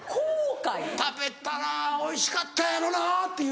食べたらおいしかったやろなっていう後悔。